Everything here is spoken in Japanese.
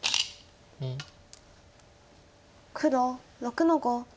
黒６の五。